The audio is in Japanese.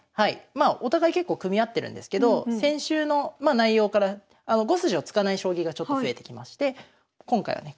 まあお互い結構組み合ってるんですけど先週の内容から５筋を突かない将棋がちょっと増えてきまして今回はね